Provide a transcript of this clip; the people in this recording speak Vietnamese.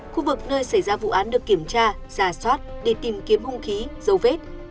khu vực nơi xảy ra vụ án được kiểm tra giả soát để tìm kiếm hung khí dấu vết